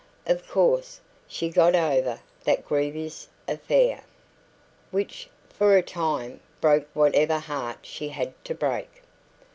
Of course, she "got over" that grievous affair, which, for a time, broke whatever heart she had to break.